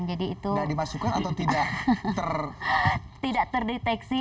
tidak dimasukkan atau tidak terdeteksi